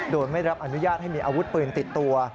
โดยไม่รับอนุญาตให้มีอาวุธปืนติดตัว